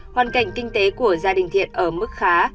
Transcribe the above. hoàn cảnh kinh tế của gia đình thiện ở mức khá